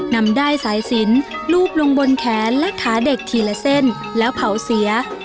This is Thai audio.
นำได้สายสินลูบลงบนแขนและขาเด็กทีละเส้นแล้วเผาเสีย